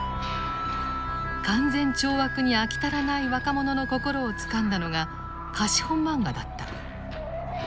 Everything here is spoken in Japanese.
勧善懲悪に飽き足らない若者の心をつかんだのが貸本マンガだった。